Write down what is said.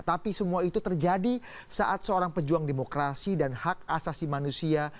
tapi semua itu terjadi saat seorang pejuang demokrasi dan hak asasi manusia